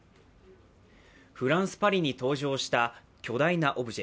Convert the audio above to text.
フランス・パリに登場した巨大なオブジェ。